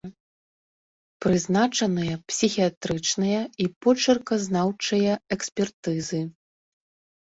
Прызначаныя псіхіятрычная і почырказнаўчая экспертызы.